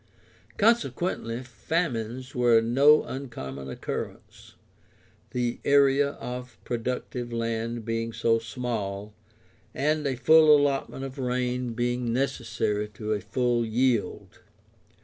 Consequently, famines were no uncommon occurrence, the area of productive land being so small, and a full allotment of rain being necessary to a full yield.